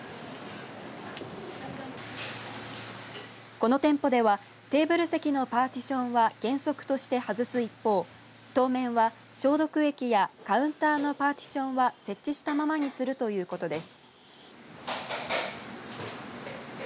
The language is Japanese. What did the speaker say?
この店舗ではテーブル席のパーティションは原則として外す一方当面は消毒液やカウンターのパーティションは設置したままにするということです。